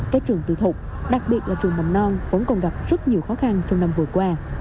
các trường tư thục đặc biệt là trường mầm non vẫn còn gặp rất nhiều khó khăn trong năm vừa qua